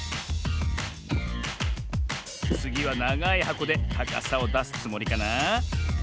つぎはながいはこでたかさをだすつもりかな？